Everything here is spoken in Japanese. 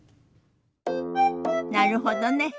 なるほどね。